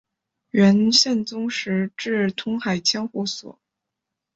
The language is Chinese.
元宪宗时置通海千户所。